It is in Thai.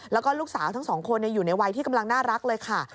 แล้วก็ลูกสาวทั้งสองคนอยู่ในวัยที่กำลังน่ารักเลยค่ะ